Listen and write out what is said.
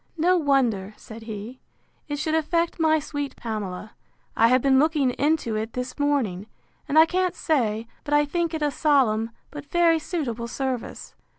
—No wonder, said he, it should affect my sweet Pamela: I have been looking into it this morning, and I can't say but I think it a solemn, but very suitable service.